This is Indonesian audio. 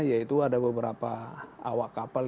yaitu ada beberapa awak kapal